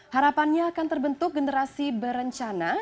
harapannya akan terbentuk generasi berencana